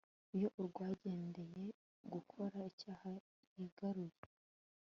Iyo uwagendereye gukora icyaha yigaruye